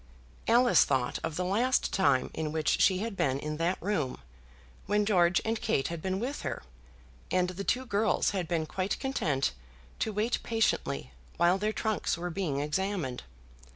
Alice thought of the last time in which she had been in that room, when George and Kate had been with her, and the two girls had been quite content to wait patiently while their trunks were being examined.